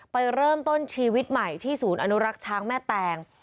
ไปเริ่มต้นชีวิตใหม่ที่ศูนย์อนุรักษ์ช้างแม่แตง